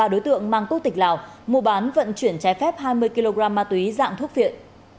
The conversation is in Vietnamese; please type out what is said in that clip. ba đối tượng mang quốc tịch lào mua bán vận chuyển trái phép hai mươi kg ma túy dạng thuốc viện